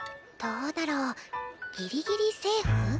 どうだろうギリギリセーフ？